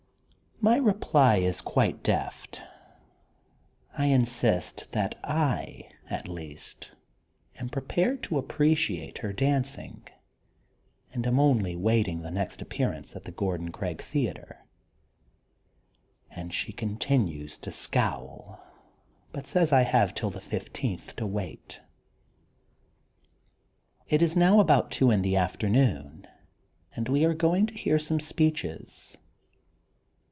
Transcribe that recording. My reply is quite deft. I insist that I, at least, am prepared to appreciate her dancing and am only waiting the next appearance at the Gordon Craig Theatre and she continues to scowl but says I have but till the fifteenth to wait. It is now about two in the afternoon and we are going to hear some speeches.